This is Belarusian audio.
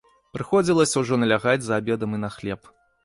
Прыходзілася ўжо налягаць за абедам і на хлеб.